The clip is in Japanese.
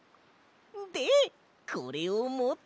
でこれをもって。